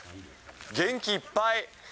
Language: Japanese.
元気いっぱい。